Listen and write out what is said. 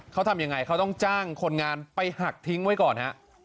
เขาทำยังไงเขาต้องจ้างคนงานไปหักทิ้งไว้ก่อนฮะ